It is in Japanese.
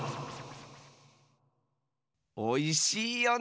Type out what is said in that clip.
おいしいよねえ。